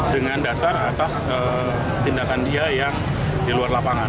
dengan dasar atas tindakan dia yang di luar lapangan